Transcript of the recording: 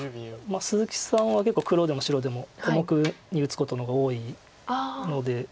鈴木さんは結構黒でも白でも小目に打つことの方が多いので。